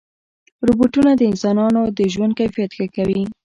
روبوټونه د انسانانو د ژوند کیفیت ښه کوي.